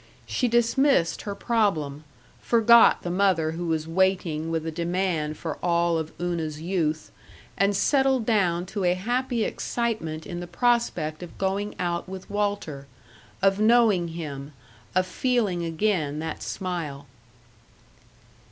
She dismissed her problem, forgot the mother who was waiting with a demand for all of Una's youth, and settled down to a happy excitement in the prospect of going out with Walter; of knowing him, of feeling again that smile.